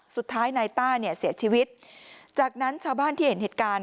สุดท้ายนายต้าเนี่ยเสียชีวิตจากนั้นชาวบ้านที่เห็นเหตุการณ์